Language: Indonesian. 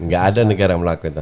gak ada negara yang melakukan itu